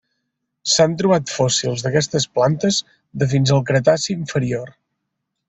S'han trobat fòssils d'aquestes plantes de fins al Cretaci inferior.